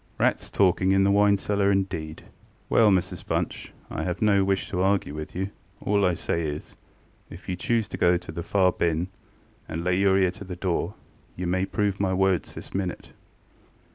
Rats talking in the wine cellar indeed! ŌĆØ ŌĆ£Well, Mrs Bunch, IŌĆÖve no wish to argue with you: all I say is, if you choose to go to the far bin, and lay your ear to the door, you may prove my words this minute.